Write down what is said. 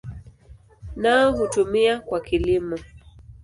Nao hutumiwa kwa kilimo.